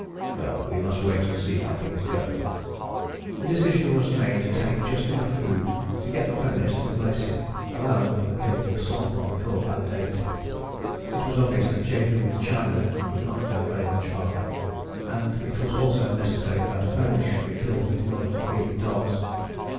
Well, we must wait and see how things go." The decision made was to take just enough food to get the ponies to the glacier, allowing for the killing of some of them before that date. It was obvious that Jehu and Chinaman could not go very much farther, and it was also necessary that ponies should be killed in order to feed the dogs.